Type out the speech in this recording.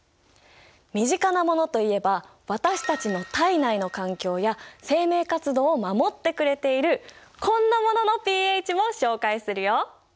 身近なものといえば私たちの体内の環境や生命活動を守ってくれているこんなもののｐＨも紹介するよ。